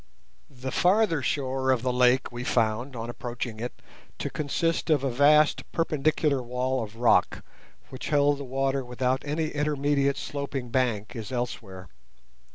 The farther shore of the lake we found, on approaching it, to consist of a vast perpendicular wall of rock, which held the water without any intermediate sloping bank, as elsewhere.